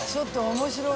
面白い！